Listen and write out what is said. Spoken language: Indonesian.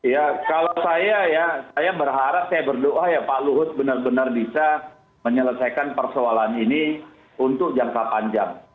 ya kalau saya ya saya berharap saya berdoa ya pak luhut benar benar bisa menyelesaikan persoalan ini untuk jangka panjang